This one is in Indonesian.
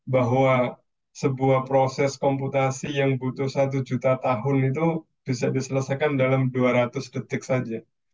bahwa sebuah proses komputasi yang butuh satu juta tahun itu bisa diselesaikan dalam dua ratus detik saja